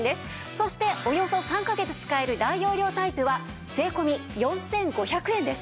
そしておよそ３カ月使える大容量タイプは税込４５００円です。